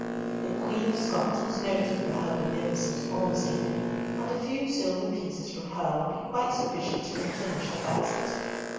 The Queen of Scots was noted for her beneficent almsgiving, and a few silver pieces from her would be quite sufficient to replenish her basket.